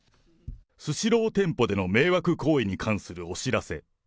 スシロー店舗での迷惑行為に関するお知らせ。